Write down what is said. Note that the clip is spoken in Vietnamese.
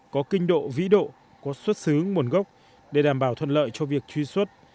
có kinh độ vĩ độ có xuất xứ nguồn gốc để đảm bảo thuận lợi cho việc truy xuất